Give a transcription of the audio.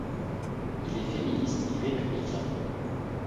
Il est féministe et républicain.